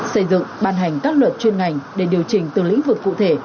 xây dựng bàn hành các luật chuyên ngành để điều chỉnh từ lĩnh vực cụ thể